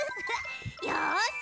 よし！